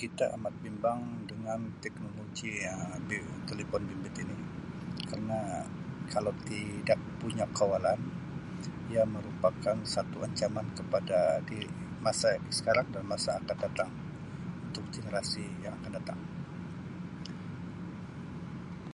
Kita amat bimbang teknologi yang Um di telipon bimbit ini kerna kalau tidak punya kawalan ia merupakan satu ancaman kepada di masa sekarang dan masa akan datang untuk generasi yang akan datang.